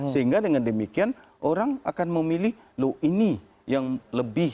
sehingga dengan demikian orang akan memilih loh ini yang lebih